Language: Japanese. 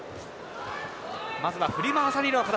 まずは振り回される形。